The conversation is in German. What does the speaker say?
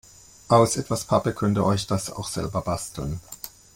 Aus etwas Pappe könnt ihr euch das auch selber basteln.